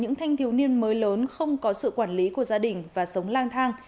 những thanh thiếu niên mới lớn không có sự quản lý của gia đình và sống lang thang